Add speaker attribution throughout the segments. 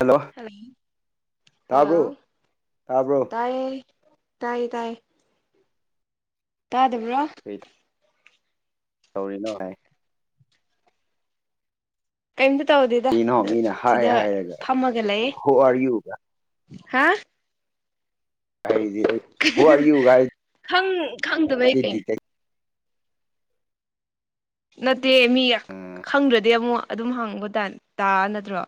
Speaker 1: Hello
Speaker 2: ꯂꯣ
Speaker 1: ꯇꯥꯕ꯭ꯔꯣ
Speaker 2: hello
Speaker 1: ꯇꯥꯕ꯭ꯔꯣ
Speaker 2: ꯇꯥꯏ ꯇꯥꯏ ꯇꯥꯏ ꯇꯥꯗꯕ꯭ꯔꯣ
Speaker 1: ꯑꯩ ꯇꯧꯔꯤꯅꯣ ꯍꯥꯏ
Speaker 2: ꯀꯔꯤꯝꯇ ꯇꯧꯗꯦꯗ
Speaker 1: ꯀꯔꯤꯅꯣ ꯃꯤꯅ ꯍꯥꯏ
Speaker 2: ꯁꯤꯗ
Speaker 1: ꯍꯥꯏꯔꯒ
Speaker 2: ꯐꯝꯃꯒ ꯂꯩ
Speaker 1: ꯍꯨ ꯑꯥꯔ ꯌꯨꯒ
Speaker 2: ꯍꯥ
Speaker 1: ꯍꯥꯏꯔꯤꯗꯤ ꯑꯩ ꯍꯨ ꯑꯥꯔ ꯌꯨꯒ
Speaker 2: ꯈꯪ ꯈꯪꯗꯕꯩ
Speaker 1: ꯍꯥꯏꯔꯤꯗꯤ
Speaker 2: ꯀꯩꯅꯣ ꯅꯠꯇꯦ ꯃꯤ
Speaker 1: ꯎꯝ
Speaker 2: ꯈꯪꯗ꯭ꯔꯗꯤ ꯑꯃꯨꯛ ꯑꯗꯨꯝ ꯍꯥꯡꯕ ꯇ ꯇꯥ ꯅꯠꯇ꯭ꯔꯣ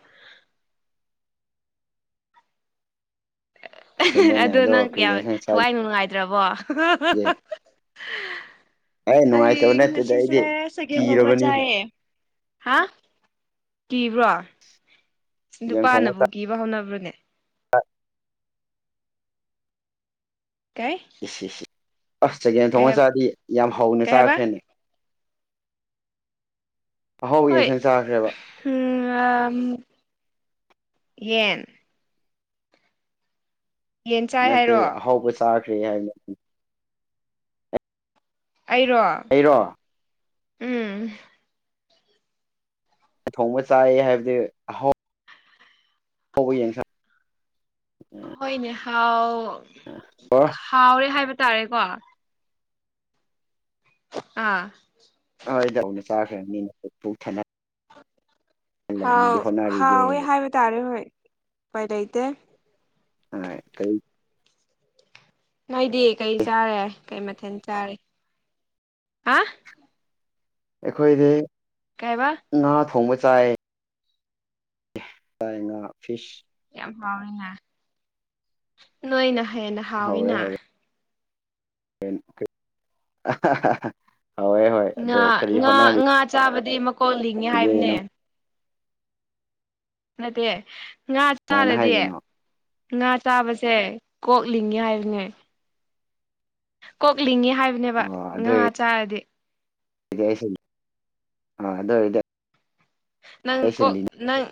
Speaker 1: ꯆꯨꯝꯃꯦꯅꯦ
Speaker 2: ꯑꯗꯨ
Speaker 1: ꯑꯗꯣ
Speaker 2: ꯅꯪ
Speaker 1: ꯀꯔꯤ
Speaker 2: ꯌꯥꯝ
Speaker 1: ꯌꯦꯟꯁꯥꯡ
Speaker 2: ꯊꯋꯥꯏ
Speaker 1: ꯆꯥꯒꯦ
Speaker 2: ꯅꯨꯡꯉꯥꯏꯇ꯭ꯔꯕꯣ
Speaker 1: ꯅꯨꯡꯉꯥꯏꯇꯕ
Speaker 2: ꯑꯩ
Speaker 1: ꯅꯠꯇꯦꯗ ꯑꯩꯗꯤ
Speaker 2: ꯉꯁꯤꯁꯦ ꯆꯥꯒꯦꯝꯄꯣꯝꯕ
Speaker 1: ꯀꯤꯔꯕꯅꯤꯅꯦ
Speaker 2: ꯆꯥꯏꯌꯦ ꯍꯥ ꯀꯤꯕ꯭ꯔꯣ
Speaker 1: ꯆꯒꯦꯝ ꯊꯣꯡꯕ
Speaker 2: ꯅꯨꯄꯥꯅꯕꯨ
Speaker 1: ꯆꯥ
Speaker 2: ꯀꯤꯕ ꯍꯧꯅꯕ꯭ꯔꯣꯅꯦ
Speaker 1: [unintelligible]
Speaker 2: ꯀꯩ
Speaker 1: ꯑꯁ ꯆꯥꯒꯦꯟ
Speaker 2: ꯀꯩ
Speaker 1: ꯊꯣꯡꯉ
Speaker 2: ꯍꯥꯏꯕ
Speaker 1: ꯆꯥꯗꯤ ꯌꯥꯝ ꯍꯧꯅ
Speaker 2: ꯀꯩ ꯍꯥꯏꯕ
Speaker 1: ꯆꯥꯈ꯭ꯔꯅꯦ ꯑꯍꯥꯎꯕ
Speaker 2: ꯍꯣꯏ
Speaker 1: ꯌꯦꯟꯁꯥꯡ ꯆꯥꯈ꯭ꯔꯦꯕ
Speaker 2: ꯎꯝ ꯑꯝ ꯌꯦꯟ ꯌꯦꯟ ꯆꯥꯏ
Speaker 1: ꯅꯠꯇꯦ
Speaker 2: ꯍꯥꯏꯔꯣ
Speaker 1: ꯑꯍꯥꯎꯕ ꯆꯥꯈ꯭ꯔꯦ ꯍꯥꯏꯕ
Speaker 2: ꯑꯩꯔꯣ
Speaker 1: ꯑꯩꯔꯣ
Speaker 2: ꯎꯝ
Speaker 1: ꯊꯣꯡꯕ ꯆꯥꯏ ꯍꯥꯏꯕꯗꯤ ꯍꯥꯎꯕ ꯌꯦꯡ ꯁꯥ
Speaker 2: ꯍꯣꯏꯅꯦ ꯍꯥꯎ
Speaker 1: [unintelligible]
Speaker 2: ꯍꯥꯎꯋꯦ ꯍꯥꯏꯕ ꯇꯥꯔꯦꯀꯣ ꯑꯥ
Speaker 1: ꯍꯣꯏꯗꯥ ꯍꯥꯎꯅ ꯆꯥꯈ꯭ꯔꯅꯤꯅ ꯄꯨꯛ ꯊꯟꯅꯥ
Speaker 2: ꯍꯥꯎ
Speaker 1: ꯍꯣꯠꯅꯔꯤꯒꯦ
Speaker 2: ꯍꯥꯎꯋꯦ ꯍꯥꯏꯕ ꯇꯥꯔꯦ ꯍꯣꯏ ꯎꯄꯥꯏ ꯂꯩꯇꯦ
Speaker 1: ꯍꯣꯏ ꯀꯩ
Speaker 2: ꯅꯣꯏꯗꯤ ꯀꯩ ꯆꯥꯔꯦ ꯀꯩ ꯃꯊꯦꯜ ꯆꯥꯔꯦ ꯍꯥ
Speaker 1: ꯑꯩꯈꯣꯏꯗꯤ
Speaker 2: ꯀꯩ ꯍꯥꯏꯕ
Speaker 1: ꯉꯥ ꯊꯣꯡꯕ ꯆꯥꯏꯌꯦ ꯆꯥꯏ ꯉꯥ ꯐꯤꯁ
Speaker 2: ꯌꯥꯝ ꯍꯥꯎꯋꯤꯅ ꯅꯣꯏꯅ ꯍꯦꯟꯅ
Speaker 1: ꯍꯧꯔꯦ
Speaker 2: ꯍꯥꯎꯋꯤꯅ
Speaker 1: ꯍꯧꯔꯦ [unintelligible] ꯍꯣꯏ ꯍꯣꯏ ꯑꯗꯣ
Speaker 2: ꯉꯥ
Speaker 1: ꯀꯔꯤ
Speaker 2: ꯉꯥ
Speaker 1: ꯍꯣꯠꯅꯔꯤꯒꯦ
Speaker 2: ꯉꯥ ꯆꯥꯕꯗꯤ ꯃꯀꯣꯛ ꯂꯤꯡꯉꯦ ꯍꯥꯏꯕꯅꯦ
Speaker 1: ꯅꯪ
Speaker 2: ꯅꯠꯇꯦ ꯉꯥ
Speaker 1: ꯀꯅꯥꯅ
Speaker 2: ꯆꯥꯔꯗꯤ
Speaker 1: ꯍꯥꯏꯔꯤꯅꯣ
Speaker 2: ꯉꯥ ꯆꯥꯕꯁꯦ ꯀꯣꯛꯂꯤꯡꯉꯦ ꯍꯥꯏꯕꯅꯦ ꯀꯣꯛꯂꯤꯉꯦ ꯍꯥꯏꯕꯅꯦꯕ
Speaker 1: ꯑꯣ ꯑꯗꯨ
Speaker 2: ꯉꯥ
Speaker 1: ꯑꯣꯏꯔꯗꯤ
Speaker 2: ꯆꯥꯔꯗꯤ
Speaker 1: [unintelligible]
Speaker 2: ꯅꯪ
Speaker 1: ꯑꯩꯁꯨ
Speaker 2: ꯀꯣꯛ ꯅꯪ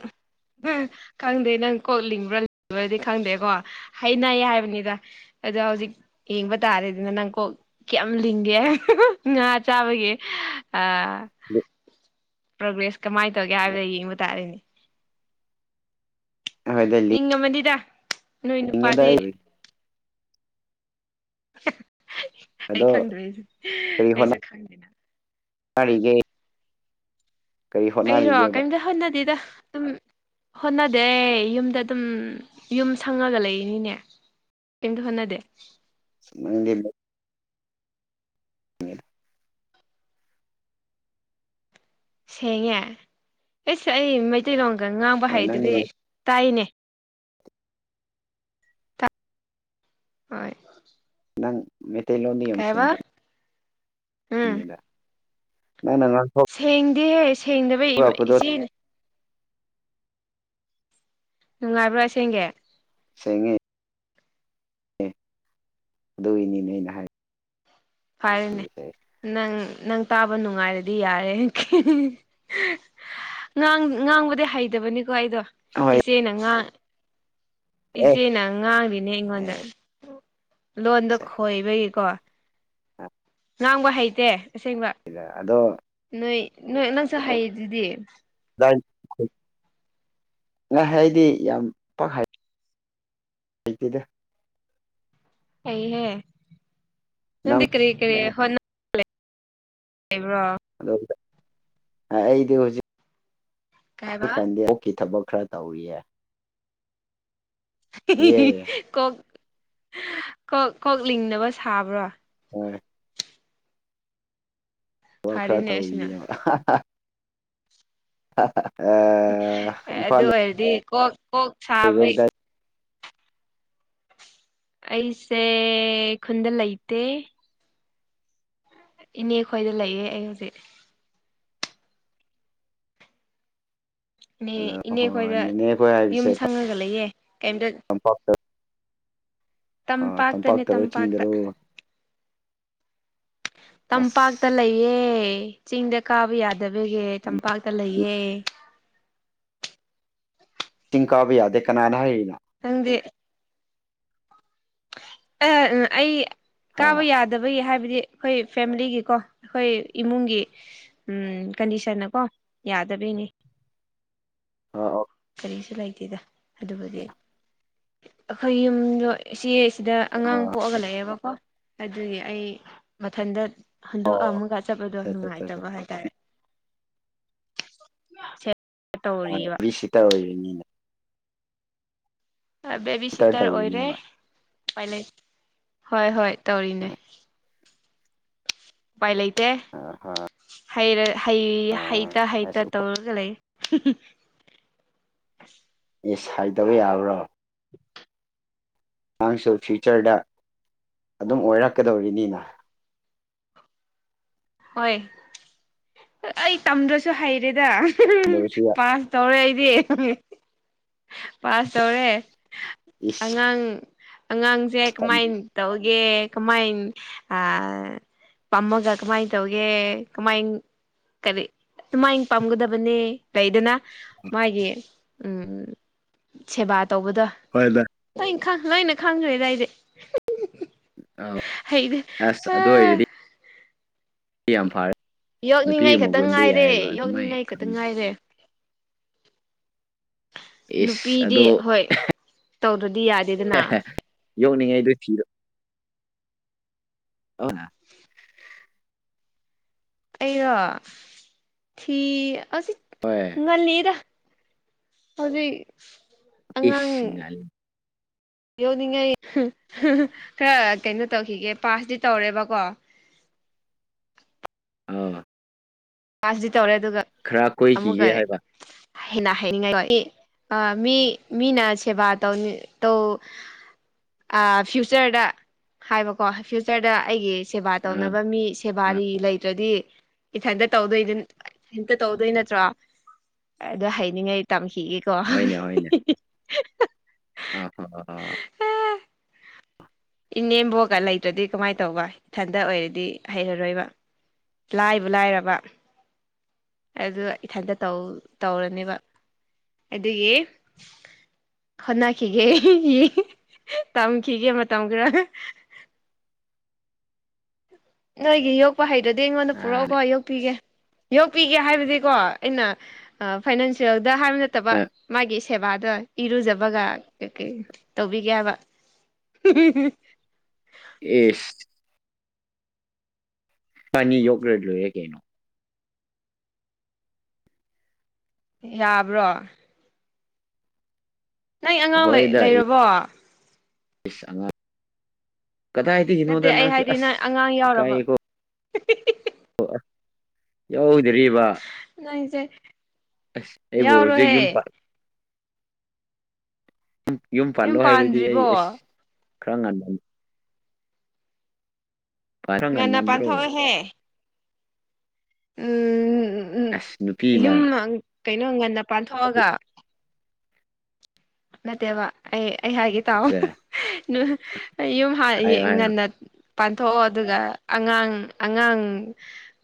Speaker 2: ꯅꯪ ꯈꯪꯗꯦ ꯅꯪ ꯀꯣꯛ ꯂꯤꯡꯕ꯭ꯔꯥ [unintelligible] ꯈꯪꯗꯦꯀꯣ ꯍꯩꯅꯩ ꯍꯥꯏꯕꯅꯤꯗ ꯑꯗꯨ ꯍꯧꯖꯤꯛ ꯌꯦꯡꯕ ꯇꯥꯔꯦꯗꯅ ꯅꯪ ꯀꯣꯛ ꯀꯌꯥꯝ ꯂꯤꯡꯒꯦ [unintelligible] ꯉꯥ ꯆꯥꯕꯒꯤ ꯑꯥ
Speaker 1: [unintelligible]
Speaker 2: ꯄ꯭ꯔꯕꯦꯁ ꯀꯃꯥꯏꯅ ꯇꯧꯒꯦ ꯍꯥꯏꯕꯗ ꯌꯦꯡꯕ ꯇꯥꯔꯤꯅꯦ
Speaker 1: ꯍꯣꯏꯗ ꯂꯤꯡ
Speaker 2: ꯍꯤꯡꯉꯝꯃꯅꯤꯗ ꯅꯣꯏ ꯅꯨꯄꯥꯗꯤ [unintelligible] ꯑꯩ
Speaker 1: ꯑꯗꯣ
Speaker 2: ꯈꯪꯗꯔꯦ ꯑꯩꯁꯨ ꯈꯪꯗꯦ
Speaker 1: ꯀꯥꯏꯂꯩꯒꯦ
Speaker 2: ꯑꯩꯔꯣ
Speaker 1: ꯍꯣꯠꯅꯔꯤꯒꯦꯕ
Speaker 2: ꯀꯩꯝꯇ ꯍꯣꯠꯅꯗꯦꯗꯥ ꯑꯗꯨꯝ ꯍꯣꯠꯅꯗꯦ ꯌꯨꯝꯗ ꯑꯗꯨꯝ ꯌꯨꯝ ꯁꯪꯉꯒ ꯂꯩꯔꯤꯅꯤꯅꯦ ꯀꯦꯝꯇ ꯍꯣꯠꯅꯗꯦ
Speaker 1: [unintelligible] [unintelligible]
Speaker 2: ꯁꯦꯡꯉꯦ ꯑꯩꯁꯦ ꯑꯩ ꯃꯩꯇꯩꯂꯣꯟꯒ ꯉꯥꯡꯕ
Speaker 1: ꯍꯣꯏ ꯅꯪꯗꯤ
Speaker 2: ꯍꯩꯗꯨꯗꯤ ꯇꯥꯏꯅꯦ ꯍꯣꯏ
Speaker 1: ꯅꯪ ꯃꯇꯩ ꯂꯣꯗꯤ ꯌꯝ
Speaker 2: ꯀꯩꯕ
Speaker 1: ꯁꯦꯡꯉꯦ
Speaker 2: ꯎꯝ
Speaker 1: [unintelligible] ꯅꯪꯅꯉꯥꯡ ꯊꯣꯛ
Speaker 2: ꯁꯦꯡꯗꯦꯍꯦ ꯁꯦꯡꯗꯥꯕꯒꯤ [unintelligible] ꯏꯆꯦ ꯅꯨꯡꯉꯥꯏꯕ꯭ꯔ ꯑꯁꯦꯡꯒꯤ
Speaker 1: ꯁꯦꯡꯉꯦ ꯑꯗꯨ ꯒꯤꯅꯤꯅꯦ ꯑꯩꯅ ꯍꯥꯏ
Speaker 2: ꯐꯩꯌꯦꯅꯦ ꯅꯪ ꯅꯪ ꯇꯥꯕ ꯅꯨꯡꯉꯥꯏꯔꯗꯤ ꯌꯥꯔꯦ [unintelligible] ꯉꯥꯡ ꯉꯥꯡꯕꯗꯤ ꯍꯩꯇꯕꯅꯤꯀꯣ ꯑꯩꯗꯣ
Speaker 1: ꯍꯣꯏ
Speaker 2: ꯏꯆꯦ ꯉꯥ
Speaker 1: ꯑꯦ
Speaker 2: ꯏꯆꯦꯅ ꯉꯥꯡꯉꯤꯅꯦ
Speaker 1: ꯑꯦ
Speaker 2: ꯑꯩꯉꯣꯟꯗ ꯂꯣꯟꯗ ꯈꯣꯏꯕꯒꯤꯀꯣ
Speaker 1: ꯑꯥ
Speaker 2: ꯉꯥꯡꯕ ꯍꯩꯇꯦ ꯑꯁꯦꯡꯕ
Speaker 1: ꯏꯗ ꯑꯗꯣ
Speaker 2: ꯅꯣꯏ ꯅꯣꯏ ꯅꯪꯁꯨ ꯍꯩꯔꯤꯗꯨꯗꯤ
Speaker 1: [unintelligible] ꯍꯩꯇꯦꯗ
Speaker 2: ꯍꯩꯍꯦ
Speaker 1: ꯅꯪ
Speaker 2: ꯅꯗꯤ ꯀꯔꯤ ꯀꯔꯤ ꯍꯩꯕ꯭ꯔꯣ
Speaker 1: [unintelligible] ꯑꯩꯗꯤ ꯍꯧꯖꯤꯛ
Speaker 2: ꯀꯩ ꯍꯥꯏꯕ
Speaker 1: ꯖꯤꯛ ꯀꯥꯟꯗ ꯑꫭꯛꯀꯤ ꯊꯕꯛ ꯈꯔ ꯇꯧꯔꯤꯌꯦ꯫ ꯌꯦ
Speaker 2: [unintelligible] ꯀꯣꯛ ꯀꯣꯛ ꯀꯣꯛ ꯂꯤꯡꯅꯕ ꯁꯥꯕ꯭ꯔꯣ꯫
Speaker 1: ꯍꫭꯏ꯫ ꯊꯕꯛ ꯈꯔ
Speaker 2: ꯐꯔꯦꯅꯦ ꯑꯁꯤꯅ
Speaker 1: ꯇꯧꯔꯤꯌꯦ [unintelligible] [unintelligible]
Speaker 2: ꯑꯗꯨ
Speaker 1: ꯏꯝꯐꯥꯜ
Speaker 2: ꯑꯣꯏꯔꯗꯤ ꯀꯣꯛ ꯀꯣꯛ
Speaker 1: ꯂꯩꯕ꯭ꯔꯣ
Speaker 2: ꯁꯥꯕꯩ
Speaker 1: ꯀꯗꯥꯏ
Speaker 2: ꯑꯩꯁꯦ ꯈꯨꯟꯗ ꯂꯩꯇꯦ꯫ ꯏꯅꯦ ꯈꯣꯏꯗ ꯂꯩꯌꯦ ꯑꯩ ꯍꯧꯖꯤꯛ꯫ ꯅꯦ ꯏꯅꯦ
Speaker 1: ꯍꯣꯏ
Speaker 2: ꯈꯣꯏꯗ
Speaker 1: ꯅꯦꯅꯦ ꯑꯩꯈꯣꯏ
Speaker 2: ꯌꯨꯝ
Speaker 1: ꯍꯥꯏꯕꯁꯦ
Speaker 2: ꯁꯪꯉꯒ ꯂꯩꯌꯦ ꯀꯩꯝꯇ
Speaker 1: [unintelligible] ꯑꯥ
Speaker 2: ꯇꯝꯄꯥꯛꯇꯅꯦ
Speaker 1: ꯇꯝꯄꯥꯛꯇꯔꯣ
Speaker 2: ꯇꯝꯄꯥꯛꯇ꯫
Speaker 1: ꯆꯤꯡꯗꯔꯣ
Speaker 2: ꯇꯝꯄꯥꯛꯇ
Speaker 1: ꯑꯁ
Speaker 2: ꯂꯩꯌꯦ ꯆꯤꯡꯗ ꯀꯥꯕ ꯌꯥꯗꯕꯒꯤ ꯇꯝꯄꯥꯛꯇ ꯂꯩꯌꯦ꯫
Speaker 1: ꯆꯤꯡ ꯀꯥꯕ ꯌꯥꯗꯦ ꯀꯅꯥꯅ ꯍꯥꯏꯔꯤꯅꯣ꯫
Speaker 2: ꯅꯪꯗꯤ ꯑ ꯑꯩ
Speaker 1: ꯍꯥ
Speaker 2: ꯀꯥꯕ ꯌꯥꯠ ꯗꯕꯒꯤ ꯍꯥꯏꯕꯗꯤ ꯑꯈꯣꯏ ꯐꯦꯃꯤꯂꯤꯒꯤꯀꯣ ꯑꯩꯈꯣꯏ ꯏꯃꯨꯡꯒꯤ ꯎꯝ ꯀꯟꯗꯤꯁꯟꯅꯀꯣ ꯌꯥꯗꯕꯒꯤꯅꯤ꯫
Speaker 1: ꯑꯣ ꯑꯣ꯫
Speaker 2: ꯀꯩꯁꯨ ꯂꯩꯇꯦꯗ ꯑꯗꯨꯕꯨꯗꯤ ꯑꯈꯣꯏ ꯌꯨꯝꯗꯣ ꯏꯆꯦ ꯑꯁꯤꯗ ꯑꯉꯥꯡ ꯄꯣꯛꯑꯒ ꯂꯩꯌꯦꯕꯀꯣ ꯑꯗꯨꯒꯤ ꯑꯩ ꯃꯊꯟꯗ ꯍꯨꯟꯗꯣꯛ
Speaker 1: ꯑꯣ
Speaker 2: ꯑꯝꯃꯥꯒ ꯆꯠꯄꯗꯣ
Speaker 1: ꯑꯆꯥ ꯑꯆꯥ
Speaker 2: ꯅꯨꯡꯉꯥꯏꯇꯕ ꯍꯥꯏꯇꯥꯔꯦ ꯁꯦ
Speaker 1: ꯍꫭꯏ [inaudible] ꯁꯤꯇ ꯑꯣꯏꯔꯤꯅꯤꯅꯦ꯫
Speaker 2: ꯑ ꯕꯦꯕꯤ ꯁꯤꯇꯔ ꯑꯣꯏꯔꯦ꯫ ꯄꯥꯏ ꯂꯩ ꯍꯣꯏ ꯍꯣꯏ ꯇꯧꯔꯤꯅꯦ ꯄꯥꯏ ꯂꯩ ꯇꯦ
Speaker 1: ꯑꯥ ꯍꯥ
Speaker 2: ꯍꯩꯔ ꯍꯩ ꯍꯩꯇ-ꯍꯩꯇ
Speaker 1: ꯑꯁ ꯎꯄꯥ
Speaker 2: ꯇꯧꯔꯒ ꯂꯩ [unintelligible]
Speaker 1: ꯏꯁ ꯍꯩꯇꯕ ꯌꯥꯕ꯭ꯔꯣ꯫
Speaker 2: [unintelligible]
Speaker 1: ꯅꯥꯡꯁꯨ ꯐ꯭ꯌꯨꯆꯔꯗ ꯑꯗꯨꯝ ꯑꯣꯏꯔꯛꯀꯗꯧꯔꯤꯅꯤꯅ꯫
Speaker 2: ꯍꯣꯏ ꯑꯩ ꯇꯝꯗ꯭ꯔꯁꯨ ꯍꯩꯔꯦꯗ [unintelligible]
Speaker 1: ꯗꯕꯁꯨ
Speaker 2: ꯄꯥꯁ ꯇꯧꯔꯦ ꯑꯩꯗꯤ ꯄꯥꯁ ꯇꯧꯔꯦ꯫
Speaker 1: ꯏꯁ꯫
Speaker 2: ꯅꯪ ꯑꯉꯥꯡꯁꯦ ꯀꯃꯥꯏꯟ ꯇꯧꯒꯦ ꯀꯃꯥꯏꯟ ꯑꯥ ꯄꯝꯃꯒ ꯀꯃꯥꯏ ꯇꯧꯒꯦ ꯀꯃꯥꯏꯟ ꯀꯔꯤ ꯑꯗꯨꯃꯥꯏꯟ ꯄꯥꯝꯒꯗꯕꯅꯦ ꯂꯩꯗꯅ ꯃꯥꯒꯤ ꯎꯝ ꯁꯦꯕꯥ ꯇꯧꯕꯗꯣ꯫
Speaker 1: ꯍꯣꯏꯗ꯫
Speaker 2: ꯂꯣꯏꯅ ꯈꯪ ꯂꫭꯏꯅ ꯈꯪꯈ꯭ꯔꯦꯗ ꯑꯩꯗꯤ꯫
Speaker 1: ꯑ
Speaker 2: ꯍꯩꯗꯤ
Speaker 1: ꯑꯁ
Speaker 2: ꯑꯥ
Speaker 1: ꯏ ꯌꯥꯝ ꯐꯔꯦ꯫ ꯅꯨꯄꯤꯒꯤ
Speaker 2: ꯌꯣꯛꯅꯤꯡꯉꯥꯏ ꯈꯛꯇꯪ
Speaker 1: ꯃꯒꯨꯟꯗꯨ
Speaker 2: ꯉꯥꯏꯔꯦ
Speaker 1: ꯌꯥꯏꯑꯕ ꯑꯗꯨꯃꯥꯏ
Speaker 2: ꯌꯣꯛꯅꯤꯡꯉꯥꯏ ꯈꯛꯇꯪ
Speaker 1: ꯈꯪ
Speaker 2: ꯉꯥꯏꯔꯦ꯫
Speaker 1: ꯏꯁ
Speaker 2: ꯅꯨꯄꯤꯗꯤ ꯍꯣꯏ ꯇꯧꯗ꯭ꯔꯗꯤ ꯌꯥꯠ
Speaker 1: [unintelligible] ꯌꫭꯛꯅꯤꯡꯉꯥꯏꯗꫭ ꯊꯤꯔꯣ꯫ ꯑꫭꯅ꯫
Speaker 2: ꯑꯩꯔꯣ ꯊꯤ ꯑꯖꯤꯛ
Speaker 1: ꯍꯣꯏ꯫
Speaker 2: ꯉꯜꯂꯤꯗ ꯍꯧꯖꯤꯛ ꯑꯉꯥꯡ
Speaker 1: ꯏꯁ ꯉꯜꯂꯤ
Speaker 2: ꯌꯧꯅꯤꯡꯉꯥꯏ ꯈꯔ ꯀꯩꯅꯣ ꯇꯧꯈꯤꯒꯦ ꯄꯥꯁꯇꯤ ꯇꯧꯔꯦꯕꯀꯣ
Speaker 1: ꯑꯑ
Speaker 2: ꯄꯥꯁꯗꯤ ꯇꯧꯔꯦ ꯑꯗꯨꯒ
Speaker 1: ꯈꯔ ꯀꯣꯏꯈꯤꯒꯦ
Speaker 2: ꯑꯃꯨꯛꯀ
Speaker 1: ꯍꯥꯏꯕ
Speaker 2: ꯍꯦꯟꯅ ꯍꯥꯏꯅꯤꯡꯉꯥꯏꯀꯣ ꯑꯦ ꯃꯤ ꯃꯤꯅ ꯁꯦꯕꯥ ꯇꯧꯅꯤꯡ ꯇꯧ ꯑ ꯐ꯭ꯌꯨꯆꯔꯗ ꯍꯥꯏꯕꯀꯣ ꯐ꯭ꯌꯨꯆꯔꯗ ꯑꯩꯒꯤ ꯁꯦꯕꯥ
Speaker 1: ꯑꯥ
Speaker 2: ꯇꯧꯅꯕ ꯃꯤ
Speaker 1: ꯑꯥ
Speaker 2: ꯁꯦꯕꯥꯔꯤ ꯂꯩꯇ꯭ꯔꯗꯤ ꯏꯊꯟꯇꯅꯤ ꯇꯧꯗꯣꯏꯅꯦ ꯍꯛꯇ ꯇꯧꯗꯣꯏ ꯅꯠꯇ꯭ꯔꯣ ꯑꯗꯨꯗꯣ ꯍꯥꯏꯅꯤꯡꯉꯥꯏ ꯇꯝꯈꯤꯒꯦ ꯗꯣ
Speaker 1: ꯍꯣꯏꯅꯦ ꯍꯣꯏꯅꯦ
Speaker 2: ꯍꯤꯛ ꯍꯤꯛ
Speaker 1: ꯑ ꯍꯥ ꯍꯥ
Speaker 2: ꯏꯅꯦꯝꯕꯣꯛꯒ ꯂꯩꯇ꯭ꯔꯗꯤ ꯀꯃꯥꯏꯅ ꯇꯧꯕ ꯏꯊꯟꯗ ꯑꯣꯏꯔꯗꯤ ꯍꯩꯔꯔꯣꯏꯕ ꯂꯥꯏꯕꯨ ꯂꯥꯏꯔꯕ ꯑꯗꯨ ꯏꯊꯟꯇꯇꯧ ꯇꯧꯔꯅꯦꯕ ꯑꯗꯨꯒꯤ ꯍꯣꯠꯅꯈꯤꯒꯦ ꯇꯝꯈꯤꯒꯦ ꯃꯇꯝ ꯈꯔ ꯅꯣꯏꯒꯤ ꯌꯣꯛꯄ ꯍꯩꯗ꯭ꯔꯗꯤ ꯑꯩꯉꯣꯟꯗ
Speaker 1: ꯑ
Speaker 2: ꯄꯨꯔꯛꯑꯣꯀꯣ ꯌꯣꯛꯄꯤꯒꯦ ꯌꯣꯛꯄꯤꯒꯦ ꯍꯥꯏꯕꯗꯤꯀꯣ ꯑꯩꯅ ꯐꯥꯏꯅꯥꯟꯁꯤꯌꯦꯜꯗ ꯍꯥꯏꯕ ꯅꯠꯇꯕ ꯃꯥꯒꯤ ꯁꯦꯕꯥꯗꯣ ꯏꯔꯨꯖꯕꯒ ꯀꯩ- ꯀꯩ ꯇꯧꯕꯤꯒꯦꯕ
Speaker 1: ꯏꯁ ꯏꯕꯥꯢꯅꯤ ꯌꯣꯛꯈꯔꯒ ꯂꯣꯏꯔꯦ ꯀꯩꯅꯣ
Speaker 2: ꯌꯥꯕ꯭ꯔꯣ ꯅꯪꯒꯤ ꯑ ꯑꯉꯥꯡ
Speaker 1: ꯍꯣꯏꯗ
Speaker 2: ꯂꯩꯔꯕꯣ
Speaker 1: ꯏꯁ ꯑꯉꯥꯡ
Speaker 2: ꯅꯠꯇꯦ
Speaker 1: ꯀꯗꯥꯏꯗꯒꯤꯅꯣꯗ
Speaker 2: ꯑꯩ
Speaker 1: ꯅꯪꯁꯤꯁꯨ
Speaker 2: ꯍꯥꯏꯗꯤ
Speaker 1: ꯑꯁ
Speaker 2: ꯅꯪ ꯑꯉꯥꯡ
Speaker 1: ꯏ
Speaker 2: ꯌꯥꯎꯔꯕ
Speaker 1: ꯀꯥꯏꯀꯣ ꯌꯥꯎꯗ꯭ꯔꯤꯕ
Speaker 2: ꯅꯪꯁꯦ
Speaker 1: ꯑꯁ ꯑꯩꯕꯨ ꯍꯧꯖꯤꯛ ꯌꯨꯝ
Speaker 2: ꯌꯥꯎꯔꯣꯍꯦ
Speaker 1: ꯄꯜ ꯌꯨꯝ ꯄꯥꯜꯂꯣ ꯍꯥꯏꯔꯗꯤ ꯑꯩ ꯑꯁ ꯈꯔ ꯉꯜ ꯈꯔ
Speaker 2: ꯉꯟꯅ
Speaker 1: ꯉꯟꯃꯟꯗ꯭ꯔꯣ
Speaker 2: ꯄꯥꯟꯊꯣꯛꯎꯍꯦ ꯎꯝ ꯎꯝ
Speaker 1: ꯑꯁ ꯅꯨꯄꯤꯅ
Speaker 2: ꯌꯨꯝ ꯀꯩꯅꯣ ꯉꯟꯅ
Speaker 1: ꯑꯗꯨ
Speaker 2: ꯄꯥꯟꯊꯣꯛꯑꯒ ꯅꯠꯇꯦꯕ ꯑꯩ ꯑꯩ ꯍꯥꯏꯒꯦ ꯇꯥꯎ
Speaker 1: ꯆꯦ
Speaker 2: ꯅꯨ ꯌꯨꯝ ꯍ
Speaker 1: ꯍꯥꯏꯌꯣ
Speaker 2: ꯌꯦꯡꯉ
Speaker 1: ꯍꯥꯏꯌꯣ
Speaker 2: ꯉꯟꯅ ꯄꯥꯟꯊꯣꯛꯑꯣ ꯑꯗꯨꯒ ꯑꯉꯥꯡ ꯑꯉꯥꯡ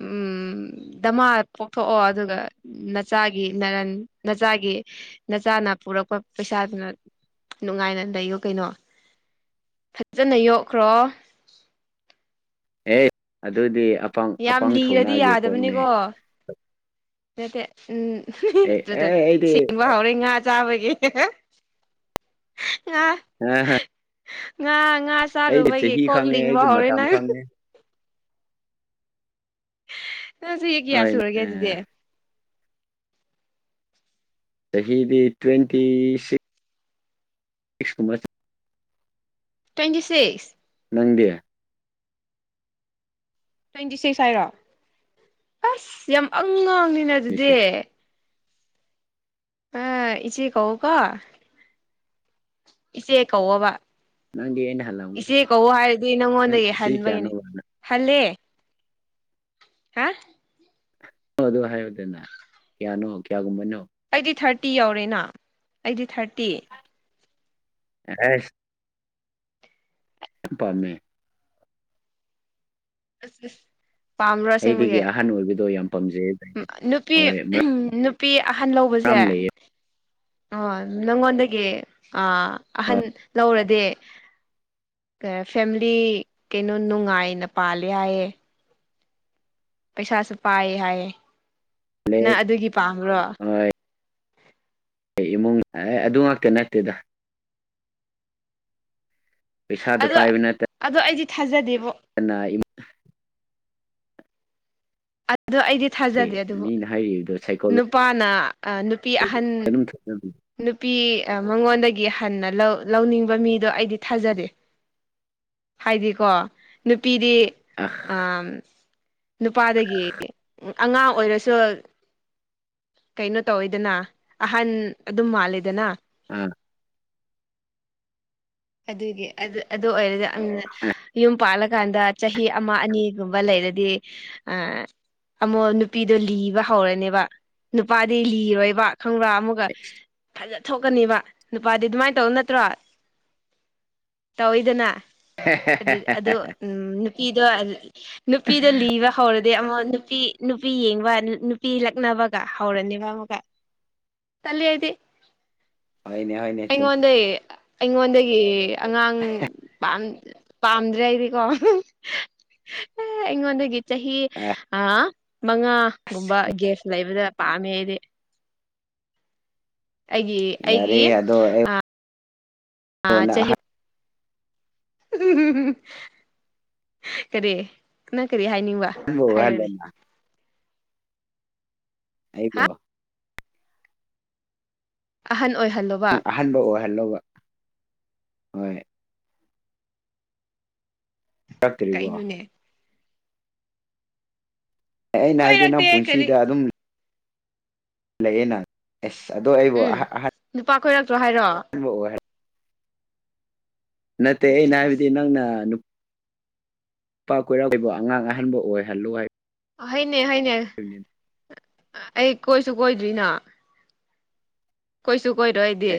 Speaker 2: ꯎꯝ ꯗꯃꯥꯗ ꯄꯣꯛꯊꯣꯛꯑꯣ ꯑꯗꯨꯒ ꯅꯆꯥꯒꯤ ꯅꯔꯟ ꯅꯆꯥꯒꯤ ꯅꯆꯥꯅ ꯄꯨꯔꯛꯄꯐꯝ ꯄꯩꯁꯥꯗꯨꯅ ꯅꯨꯡꯉꯥꯏꯅ ꯂꯩꯌꯣ ꯀꯩꯅꯣ ꯐꯠꯖꯅ ꯌꯣꯛꯈ꯭ꯔꯣ
Speaker 1: ꯑꯦ ꯑꯗꯨꯗꯤ ꯑ
Speaker 2: ꯌꯥꯝ ꯂꯤꯔꯗꯤ ꯌꯥꯗꯕꯅꯤꯒꯣ ꯗꯇꯦ ꯎꯝ ꯍꯍꯤ
Speaker 1: ꯑꯦ ꯑꯦ
Speaker 2: ꯗꯨꯗꯛ
Speaker 1: ꯑꯩꯗꯤ
Speaker 2: ꯁꯤꯡꯕ ꯍꯧꯔꯦ ꯉꯥ ꯆꯕꯥꯒꯤ ꯍꯦ ꯍꯦ ꯉꯥ
Speaker 1: ꯉꯥ ꯍꯥ
Speaker 2: ꯉꯥ ꯉꯥ ꯆꯥꯔꯨꯕꯒꯤ
Speaker 1: ꯆꯍꯤ
Speaker 2: ꯀꯣꯛ
Speaker 1: ꯈꯪꯉꯦ
Speaker 2: ꯂꯤꯡꯕ
Speaker 1: ꯑꯩꯒꯤ
Speaker 2: ꯍꯧꯔꯦ
Speaker 1: ꯃꯇꯝ
Speaker 2: ꯅꯪ
Speaker 1: ꯈꯪꯉꯦ
Speaker 2: ꯅꯪ ꯆꯍꯤ ꯀꯌꯥ
Speaker 1: ꯍꯣꯏ
Speaker 2: ꯁꯨꯔꯒꯦ
Speaker 1: ꯑ
Speaker 2: ꯑꯗꯨꯗꯤ
Speaker 1: ꯆꯥꯍꯤꯗꯤ ꯇ꯭ꯨꯋꯦꯟꯇꯤ ꯁꯤꯛ ꯁꯤꯛꯁꯀꯨꯝꯕ
Speaker 2: ꯇ꯭ꯋꯦꯟꯇꯤ ꯁꯤꯛꯁ
Speaker 1: ꯅꯪꯗꯤ
Speaker 2: ꯇ꯭ꯋꯦꯟꯇꯤ ꯁꯤꯛꯁ ꯍꯥꯏꯔꯣ ꯑꯁ ꯌꯥꯝ ꯑꯉꯥꯡꯅꯤꯅ
Speaker 1: ꯇ꯭ꯋꯦꯟꯇꯤ
Speaker 2: ꯑꯗꯨꯗꯤ
Speaker 1: ꯁꯤꯛꯁ
Speaker 2: ꯍ ꯏꯆꯦ ꯀꯧꯑꯣꯀꯣ ꯏꯆꯦ ꯀꯧꯑꯣꯕ
Speaker 1: ꯅꯪꯗꯤ ꯑꯩꯅ ꯍꯜꯂꯝꯒꯅꯤ
Speaker 2: ꯏꯆꯦ ꯀꯧ ꯍꯥꯏꯔꯗꯤ
Speaker 1: ꯅꯪ
Speaker 2: ꯅꯪꯉꯣꯟꯗꯒꯤ
Speaker 1: ꯁꯤ ꯀꯌꯥꯅꯣ
Speaker 2: ꯍꯟꯕꯒꯤꯅꯦ ꯍꯜꯂꯦ ꯍꯥ
Speaker 1: ꯑꯣ ꯑꯗꯨ ꯍꯥꯏꯌꯨꯗꯅ ꯀꯌꯥꯅꯣ ꯀꯌꯥꯒꯨꯝꯕꯅꯣ
Speaker 2: ꯑꯩꯗꯤ ꯊꯥꯔꯇꯤ ꯌꯧꯔꯦꯅ ꯑꯩꯗꯤ ꯊꯥꯔꯇꯤ
Speaker 1: [unintelligible] ꯄꯝꯃꯦ
Speaker 2: ꯑꯁ ꯑꯁ ꯄꯥꯝꯕ꯭ꯔꯣ
Speaker 1: ꯑꯩꯗꯒꯤ
Speaker 2: ꯑꯁꯦꯡꯕꯒꯤ
Speaker 1: ꯑꯍꯟ ꯑꯣꯏꯕꯗꯣ ꯌꯥꯝ ꯄꯥꯝꯖꯩ
Speaker 2: ꯅꯨꯄꯤ
Speaker 1: ꯍꯣꯏ ꯃꯔꯝ
Speaker 2: ꯅꯨꯄꯤ ꯑꯍꯟ ꯂꯧꯕꯁꯦ
Speaker 1: ꯌꯥꯝ ꯂꯩꯌꯦ
Speaker 2: ꯑꯣ ꯅꯪꯉꯣꯟꯗꯒꯤ ꯑ ꯑꯍꯟ ꯂꯧꯔꯗꯤ ꯑꯦ ꯐꯦꯝꯂꯤ ꯀꯩꯅꯣ ꯅꯨꯡꯉꯥꯏꯅ ꯄꯥꯜꯂꯦ ꯍꯥꯏꯌꯦ ꯄꯩꯁꯥꯁꯨ ꯄꯥꯏꯌꯦ ꯍꯥꯏꯌꯦ
Speaker 1: ꯂꯩ
Speaker 2: ꯅꯪ ꯑꯗꯨꯒꯤ ꯄꯥꯝꯕ꯭ꯔꯣ
Speaker 1: ꯑꯝ ꯑꯦ ꯑꯗꯨ ꯉꯥꯛꯇ ꯅꯠꯇꯦꯗ ꯄꯩꯁꯥꯖꯨ
Speaker 2: ꯑꯗꯣ
Speaker 1: ꯄꯥꯏꯕ ꯅꯠꯇꯦ
Speaker 2: ꯑꯗꯣ ꯑꯩꯗꯤ ꯊꯥꯖꯗꯦꯕꯣ
Speaker 1: [unintelligible]
Speaker 2: ꯑꯗꯣ ꯑꯩꯗꯤ
Speaker 1: ꯏꯃꯨꯡꯁꯦ
Speaker 2: ꯊꯥꯖꯗꯦ ꯑꯗꯨꯕꯨ
Speaker 1: ꯃꯤꯅ ꯍꯥꯏꯔꯤꯕꯗꯣ ꯁꯥꯏꯀꯣꯂꯣꯖꯤ
Speaker 2: ꯅꯨꯄꯥꯅ ꯅꯨꯄꯤ ꯑꯍꯟ
Speaker 1: [unintelligible]
Speaker 2: ꯅꯨꯄꯤ ꯃꯉꯣꯟꯗꯒꯤ ꯍꯟꯅ ꯂꯧ ꯂꯧꯅꯤꯡꯕ ꯃꯤꯗꯣ ꯑꯩꯗꯤ ꯊꯥꯖꯗꯦ ꯍꯥꯏꯗꯤꯀꯣ ꯅꯨꯄꯤꯗꯤ
Speaker 1: ꯑꯍ
Speaker 2: [unintelligible] ꯅꯨꯄꯥꯗꯒꯤ ꯑꯉꯥꯡ ꯑꯣꯏꯔꯁꯨ ꯀꯩꯅꯣ ꯇꯧꯋꯤꯗꯅ ꯑꯍꯟ ꯑꯗꯨ ꯃꯥꯜꯂꯦꯗꯅ
Speaker 1: ꯑꯥ
Speaker 2: ꯑꯗꯨꯒꯤ ꯑꯗꯨ ꯑꯗꯨ ꯑꯣꯏꯔꯗꯤ ꯑꯩꯅ ꯌꯨꯝ ꯄꯥꯜꯂꯀꯥꯟꯗ ꯆꯍꯤ ꯑꯃ ꯑꯅꯤꯒꯨꯝꯕ ꯂꯩꯔꯗꯤ ꯑ ꯑꯃꯛ ꯅꯨꯄꯤꯗꯣ ꯂꯤꯕ ꯍꯧꯔꯅꯦꯕ ꯅꯨꯄꯥꯗꯤ ꯂꯤꯔꯣꯏꯕ ꯈꯪꯕ꯭ꯔꯥ ꯑꯃꯨꯛꯒ
Speaker 1: [inaudible]
Speaker 2: ꯐꯥꯖ ꯊꯣꯛꯀꯅꯤꯕ ꯅꯨꯄꯥꯗꯤ ꯑꯗꯨꯃꯥꯏꯟ ꯇꯧ ꯅꯠꯇ꯭ꯔꯣ ꯇꯧꯋꯤꯗꯅ ꯑꯗꯨ ꯎꯝ ꯅꯨꯄꯤꯗꯣ ꯅꯨꯄꯤꯗ ꯂꯤꯕ ꯍꯧꯔꯗꯤ ꯑꯃꯨꯛ ꯅꯨꯄꯤ ꯅꯨꯄꯤ ꯌꯦꯡꯕ ꯅꯨꯄꯤ ꯂꯛꯅꯕꯒ ꯍꯧꯔꯅꯦꯕ ꯑꯃꯒ ꯇꯜꯂꯦ ꯑꯩꯗꯤ
Speaker 1: ꯍꯣꯏꯅꯦ ꯍꯣꯏꯅꯦ ꯁꯨꯝ
Speaker 2: ꯑꯩꯉꯣꯟꯗꯒꯤ ꯑꯩꯉꯤꯟꯗꯒꯤ ꯑꯉꯥꯡ ꯄꯝ ꯄꯥꯝꯗ꯭ꯔꯦ ꯑꯩꯗꯤꯀꯣ ꯑꯦ ꯑꯩꯉꯣꯟꯗꯒꯤ ꯆꯍꯤ ꯑ ꯃꯉꯥꯒꯨꯝꯕ ꯒꯦꯁ ꯂꯩꯕꯗ ꯄꯥꯝꯃꯦ ꯑꯩꯗꯤ ꯑꯩꯒꯤ ꯑꯩꯒꯤ
Speaker 1: ꯌꯥꯔꯦ ꯑꯗꯣ ꯑꯩꯉꯣꯟꯗ
Speaker 2: ꯆꯍꯤ ꯀꯔꯤ ꯅꯪ ꯀꯔꯤ ꯍꯥꯏꯅꯤꯡꯕ
Speaker 1: ꯍꯣ
Speaker 2: ꯍꯥꯏꯔꯣꯅꯦ
Speaker 1: ꯍꯜꯂꯣꯂ
Speaker 2: ꯍꯥ
Speaker 1: ꯑꯩꯕꯣ
Speaker 2: ꯑꯍꯟ ꯑꯣꯏꯍꯜꯂꯣꯕ
Speaker 1: ꯑꯍꯟꯕ ꯑꯣꯏꯍꯜꯂꯧꯕ ꯍꯣꯏ ꯆꯥꯛꯇ꯭ꯔꯤꯕꯣ
Speaker 2: ꯀꯩꯅꯣꯅꯦ
Speaker 1: ꯑꯦ ꯑꯩꯅ ꯍꯥꯏꯕꯗꯤ
Speaker 2: ꯀꯣꯏꯔꯛꯇꯦ
Speaker 1: ꯅꯪ
Speaker 2: ꯀꯔꯤ
Speaker 1: ꯄꯨꯟꯁꯤꯗ ꯑꯗꯨꯝ ꯂꯩꯌꯦ ꯅꯪ ꯑꯦꯁ ꯑꯗꯣ ꯑꯩꯕꯨ
Speaker 2: ꯎꯝ
Speaker 1: ꯑꯍ
Speaker 2: ꯅꯨꯄꯥ ꯈꯣꯏꯔꯛꯇꯣ ꯍꯥꯏꯔꯣ
Speaker 1: [unintelligible] ꯅꯠꯇꯦ
Speaker 2: ꯑꯁ
Speaker 1: ꯑꯩꯅ
Speaker 2: ꯑꯁ
Speaker 1: ꯍꯥꯏꯗꯤ
Speaker 2: ꯑꯁ
Speaker 1: ꯅꯪꯅ ꯅꯨꯄꯥ ꯀꯣꯏꯔꯥꯛ ꯑꯉꯥꯡ ꯑꯍꯟꯕꯨ ‌ꯑꯣꯏꯍꯜꯂꯨ ꯍꯥꯏ
Speaker 2: ꯍꯣꯏꯅꯦ ꯍꯣꯏꯅꯦ ꯑꯩ ꯀꯣꯏꯁꯨ ꯀꯣꯏꯗꯔꯤꯅ ꯀꯣꯏꯁꯨ ꯀꯣꯏꯔꯣꯏ ꯑꯩꯗꯤ